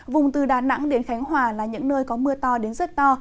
vùng từ đà nẵng đến khánh hòa là những nơi có mưa to đến rất to